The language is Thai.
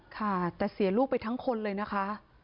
ค่ะแต่เสียลูกไปทั้งคนเลยนะคะ